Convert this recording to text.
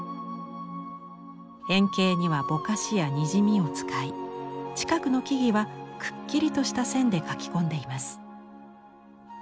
遠景にはぼかしやにじみを使い近くの木々はくっきりとした線で描き込んでいます。